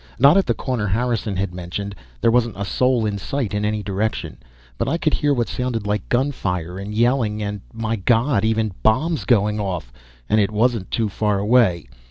Not at the corner Harrison had mentioned there wasn't a soul in sight in any direction. But I could hear what sounded like gunfire and yelling, and, my God, even bombs going off! And it wasn't too far away.